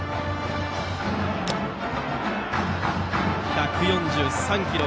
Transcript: １４３キロ。